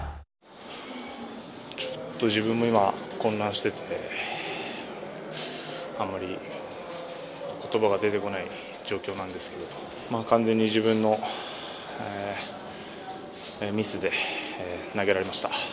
ちょっと自分も今混乱していてあまり言葉が出てこない状況なのですけど完全に自分のミスで投げられました。